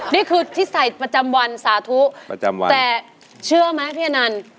นี่คือที่ใส่ประจำวันสาธุประจำวันแต่เชื่อไหมพี่อนันต์